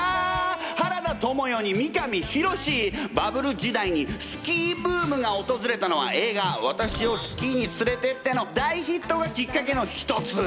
バブル時代にスキーブームがおとずれたのは映画「私をスキーに連れてって」の大ヒットがきっかけの一つ！